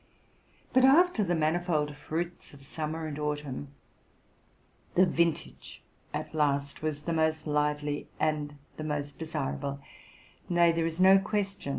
But, after the manifold fruits of summer and autumn, the vintage at last was the most lively and the most desirable ; nay, there is no question.